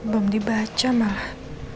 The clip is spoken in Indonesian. belum dibaca malah